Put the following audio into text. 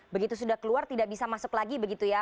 begitu sudah keluar tidak bisa masuk lagi begitu ya